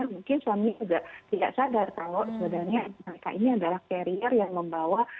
mungkin suami juga tidak sadar kalau sebenarnya mereka ini adalah carrier yang membawa